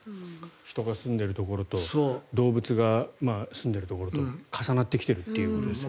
人が住んでいるところと動物がすんでいるところと重なってきているということですよね。